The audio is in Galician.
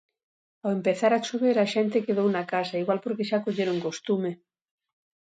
Ao empezar a chover a xente quedou na casa, igual porque xa colleron costume.